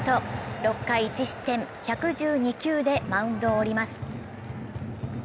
６回１失点、１１２球でマウンドを降ります。